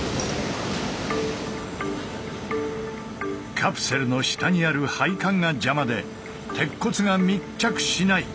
カプセルの下にある配管が邪魔で鉄骨が密着しない。